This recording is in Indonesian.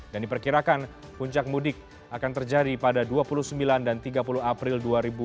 dan diperkirakan puncak mudik akan terjadi pada dua puluh sembilan dan tiga puluh april dua ribu dua puluh dua